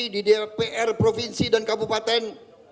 di dpr provinsi dan kabupaten